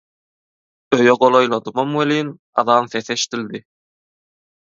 Öýe golaýladymam welin, azan sesi eşdildi.